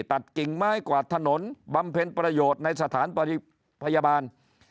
กิ่งไม้กวาดถนนบำเพ็ญประโยชน์ในสถานพยาบาล